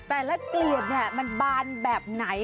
แต่ละเกลียดนี่มันบานแบบไหน